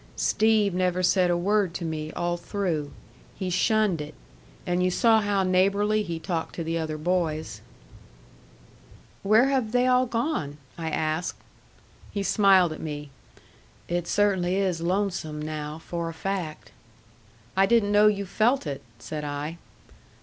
"Steve never said a word to me all through. He shunned it. And you saw how neighborly he talked to the other boys." "Where have they all gone?" I asked. He smiled at me. "It cert'nly is lonesome now, for a fact." "I didn't know you felt it," said I.